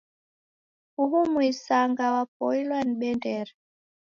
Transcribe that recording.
Uhu muisanga wapoilwa ni bendera.